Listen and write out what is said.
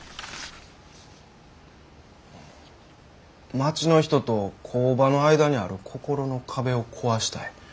「町の人と工場の間にある心の壁を壊したい」。